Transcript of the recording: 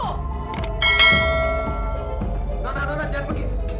nona nona jangan begitu